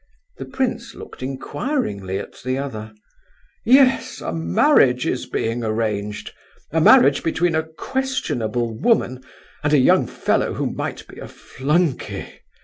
The prince looked inquiringly at the other. "Yes, a marriage is being arranged—a marriage between a questionable woman and a young fellow who might be a flunkey.